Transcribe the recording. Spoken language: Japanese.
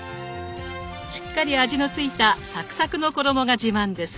しっかり味のついたサクサクの衣が自慢です。